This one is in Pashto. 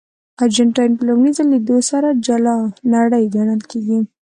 ارجنټاین په لومړي ځل لیدو سره جلا نړۍ ګڼل کېږي.